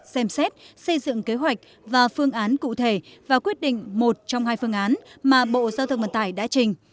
xem xét xây dựng kế hoạch và phương án cụ thể và quyết định một trong hai phương án mà bộ giao thông vận tải đã trình